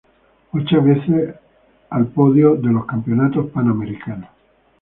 Ocho veces al podio de los Campeonatos Panamericanos.